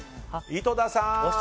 井戸田さん